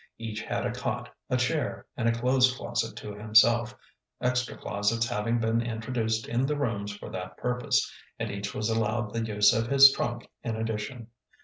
Each had a cot, a chair, and a clothes closet to himself, extra closets having been introduced in the rooms for that purpose, and each was allowed the use of his trunk in addition.